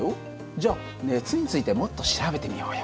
じゃあ熱についてもっと調べてみようよ。